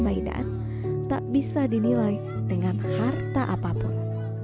mainan tak bisa dinilai dengan harta apapun